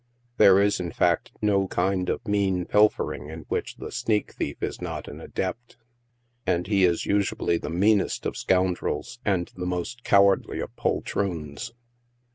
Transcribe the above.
There is, in fact, no kind of mean pilfering in which the " sneak thief" is not an adept, and he is usually tbe mean est of scoundrels and the most cowardly of poltroons.